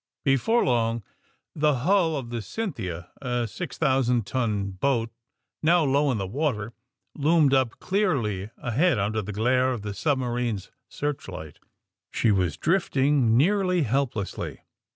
Before long the hull of the ^'Cynthia," a six thousand ton boat, now low in the water, loomed up clearly ahead under the glare of the subma rine's searchlight. She was drifting nearly helplessly.